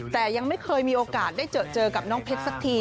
แต่ยังไม่เคยมีโอกาสได้เจอกับน้องเพชรสักที